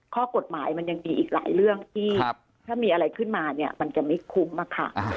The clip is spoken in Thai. ข้อกฎหมายมันยังมีอีกหลายเรื่องที่ถ้ามีอะไรขึ้นมาเนี่ยมันจะไม่คุ้มค่ะ